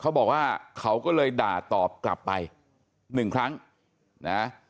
เขาบอกว่าเขาก็เลยด่าตอบกลับไปหนึ่งครั้งนะ